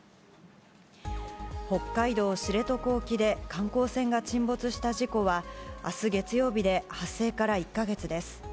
北海道知床沖で観光船が沈没した事故は、あす月曜日で発生から１か月です。